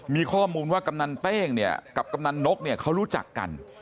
มีข้อมูลว่ากำนันเต้งกับกำนันนกเขารู้จักกัน